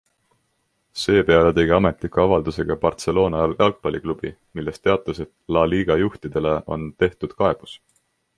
Seepeale tegi ametliku avalduse ka Barcelona jalgpalliklubi, milles teatas, et La Liga juhtidele on tehtud kaebus.